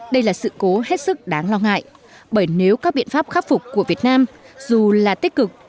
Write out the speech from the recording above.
đây là sự cố hết sức đáng lo ngại bởi nếu các biện pháp khắc phục của việt nam dù là tích cực